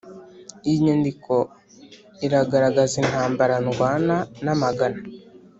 iyi nyandiko iragaragaza intambara ndwana namagana